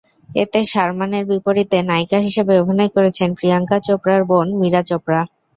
এতে শারমানের বিপরীতে নায়িকা হিসেবে অভিনয় করেছেন প্রিয়াঙ্কা চোপড়ার বোন মীরা চোপড়া।